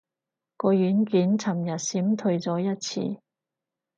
個軟件尋日閃退咗一次